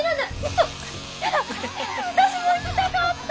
私も行きたかった！